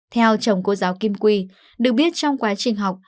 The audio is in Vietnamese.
theo chồng cô giáo kim quy được biết trong quá trình học